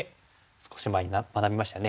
少し前に学びましたね。